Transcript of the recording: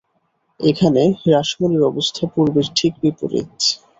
এক্ষণে রাসমনির অবস্থা পূর্বের ঠিক বিপরীত।